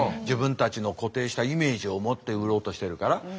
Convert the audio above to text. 自分たちの固定したイメージを持って売ろうとしてるから。